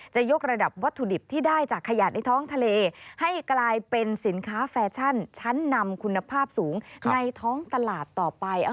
จะยกระดับวัตถุดิบที่ได้จากขยะในท้องทะเลให้กลายเป็นสินค้าแฟชั่นชั้นนำคุณภาพสูงในท้องตลาดต่อไป